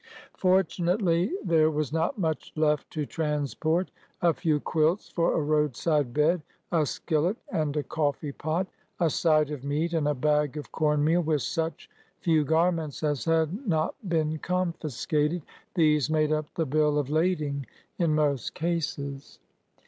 Fortunately, there was not much left to transport. A few quilts for a roadside bed, a skillet and a coffee pot, a side of meat, and a bag of corn meal, with such few gar ments as had not been " confiscated," — these made up the bill of lading in most cases.